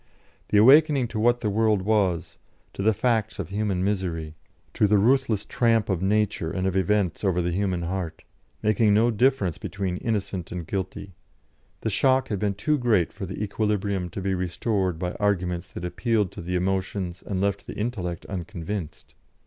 The awakening to what the world was, to the facts of human misery, to the ruthless tramp of nature and of events over the human heart, making no difference between innocent and guilty the shock had been too great for the equilibrium to be restored by arguments that appealed to the emotions and left the intellect unconvinced.